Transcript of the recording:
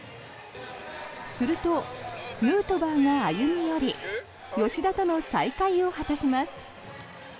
すると、ヌートバーが歩み寄り吉田との再会を果たします。